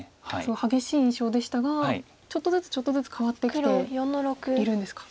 激しい印象でしたがちょっとずつちょっとずつ変わってきているんですか。